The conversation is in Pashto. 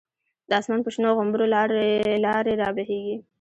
د آسمان په شنو غومبرو، لاری لاری رابهیږی